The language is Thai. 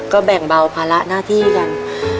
ก็แบ่งเบาภาระหน้าที่กัน